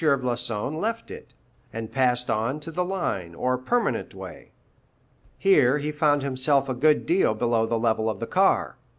Floçon left it, and passed on to the line or permanent way. Here he found himself a good deal below the level of the car.